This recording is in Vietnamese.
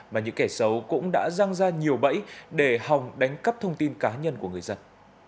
mà những kẻ xấu cũng đã răng ra nhiều bẫy để hòng đánh cắp thông tin cá nhân của người dân